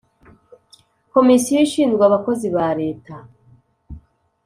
Komisiyo ishinzwe Abakozi ba Leta